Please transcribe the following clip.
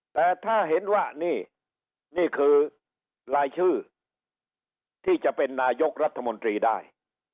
แต่ถ้าเห็นว่านี่นี่คือรายชื่อที่จะเป็นนายกรัฐมนตรีได้